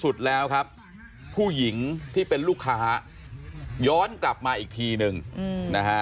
ใช่ก็นึกว่าจบนะครับ